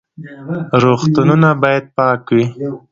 روغتونونه باید پاک وي